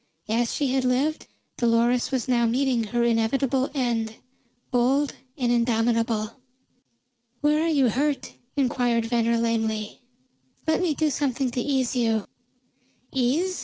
As she had lived, Dolores was now meeting her inevitable end, bold and indomitable. "Where are you hurt?" inquired Venner lamely. "Let me do something to ease you." "Ease?"